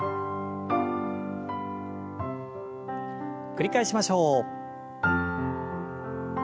繰り返しましょう。